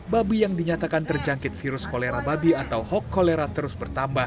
babi yang dinyatakan terjangkit virus kolera babi atau hok kolera terus bertambah